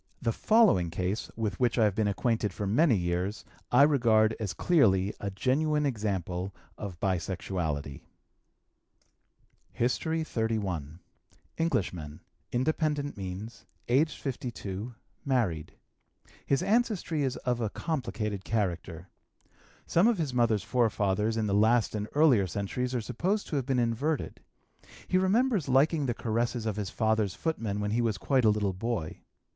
The following case, with which I have been acquainted for many years, I regard as clearly a genuine example of bisexuality: HISTORY XXXI. Englishman, independent means, aged 52, married. His ancestry is of a complicated character. Some of his mother's forefathers in the last and earlier centuries are supposed to have been inverted. He remembers liking the caresses of his father's footmen when he was quite a little boy.